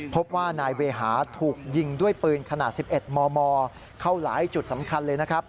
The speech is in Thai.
พบว่านายเวหาถูกยิงด้วยปืนขนาด๑๑มมเข้าหลายจุดสำคัญเลยนะครับ